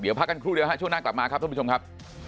เดี๋ยวพักกันครู่เดียวฮะช่วงหน้ากลับมาครับท่านผู้ชมครับ